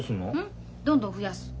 ん？どんどん増やす。